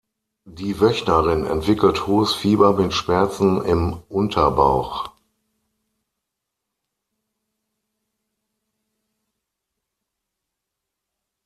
Die Wöchnerin entwickelt hohes Fieber mit Schmerzen im Unterbauch.